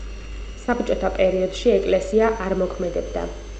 საბჭოთა პერიოდში ეკლესია არ მოქმედებდა.